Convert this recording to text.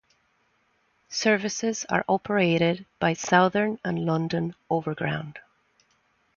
Services are operated by Southern and London Overground.